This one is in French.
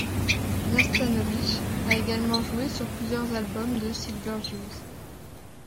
Nastanovich a également joué sur plusieurs albums de Silver Jews.